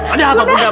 ada apa bunda